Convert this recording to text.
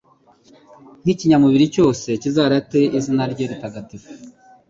n’ikinyamubiri cyose kizarate izina rye ritagatifu